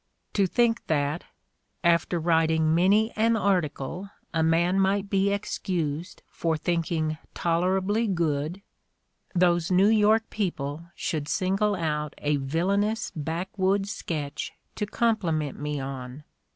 To think that, after writing many an article a man might be excused for thinking tolerably good, those New York people should single out a villain ous backwoods sketch to compliment me on!